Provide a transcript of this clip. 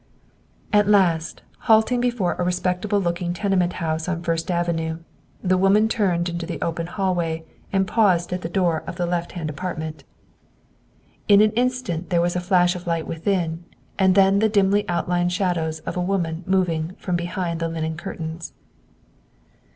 At last, halting before a respectable looking tenement house on First Avenue, the woman turned into the open hallway and paused at the door of the lefthand apartment. In an instant there was a flash of light within, and then the dimly outlined shadows of a woman moving from behind the linen curtains.